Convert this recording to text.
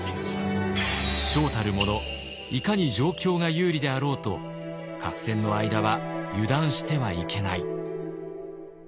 将たる者いかに状況が有利であろうと合戦の間は油断してはいけない。